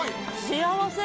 幸せ！